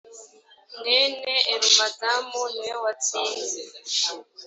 mwene elumadamu niwe watsinze.